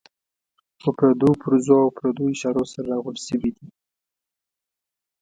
په پردو پرزو او پردو اشارو سره راغونډې شوې دي.